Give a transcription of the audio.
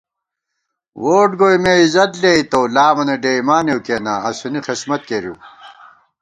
ووٹ گوئی مےعِزت لېئیتوؤ لامَنہ ڈېئیمانېؤ کینا، اسُونی خسمت کېرِؤ